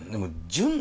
純。